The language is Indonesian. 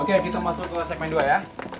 oke kita masuk ke segmen dua ya